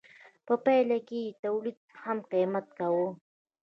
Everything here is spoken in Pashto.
په پایله کې یې تولید هم قیمت کاوه.